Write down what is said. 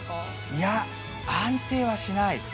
いや、安定はしない。